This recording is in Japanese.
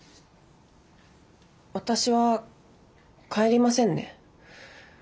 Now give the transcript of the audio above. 私は帰りませんね。